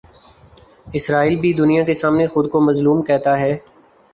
اسرائیل بھی دنیا کے سامنے خو دکو مظلوم کہتا ہے۔